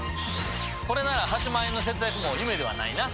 これなら８万円の節約も夢ではないな。